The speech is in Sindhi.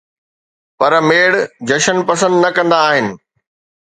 پر ميڙ جشن پسند نه ڪندا آھن